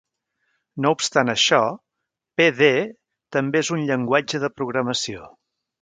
No obstant això, Pd també és un llenguatge de programació.